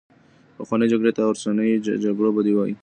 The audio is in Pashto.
پخوانۍ جګړې تر اوسنيو جګړو بدې وې.